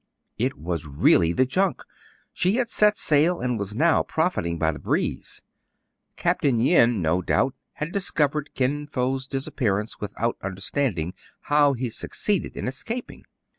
It was really the junk ! She had set sail, and was now profiting by the breeze. Capt. Yin, no doubt, had discovered Kin Fo*s disappearance without understanding how he succeeded in es caping.